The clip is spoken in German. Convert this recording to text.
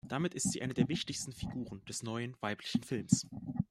Damit ist sie eine der wichtigsten Figuren des neuen „weiblichen Films“.